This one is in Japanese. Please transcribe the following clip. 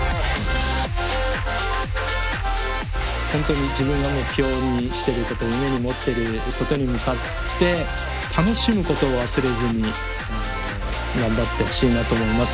本当に自分が目標にしてること夢に持ってることに向かって楽しむことを忘れずに頑張ってほしいなと思います。